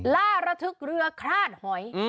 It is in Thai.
ล่าระทึกเรือคลาดหอย